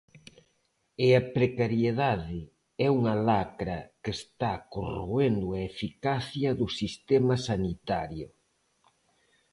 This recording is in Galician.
E a precariedade é unha lacra que está corroendo a eficacia do sistema sanitario.